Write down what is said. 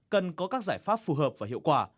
cần có các giải pháp phù hợp và hiệu quả